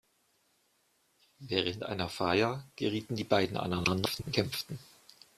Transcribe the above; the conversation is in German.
Während einer Feier gerieten die beiden aneinander und kämpften.